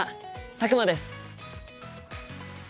佐久間です。